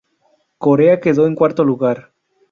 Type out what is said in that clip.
Corea quedó en cuarto lugar.